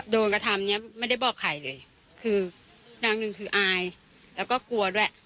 โดนกระทำเนี้ยไม่ได้บอกใครเลยคือนางหนึ่งคืออายแล้วก็กลัวด้วย